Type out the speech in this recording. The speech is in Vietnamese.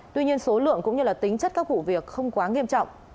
tuy nhiên số lượng cũng như tính chất các vụ việc không quá nghiêm trọng